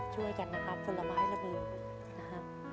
ช่วยกันนะครับคนละไม้ละมือนะฮะ